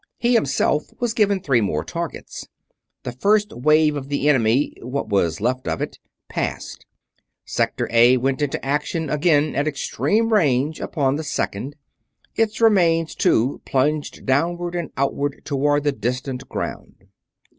He himself was given three more targets. The first wave of the enemy what was left of it passed. Sector A went into action, again at extreme range, upon the second. Its remains, too, plunged downward and onward toward the distant ground.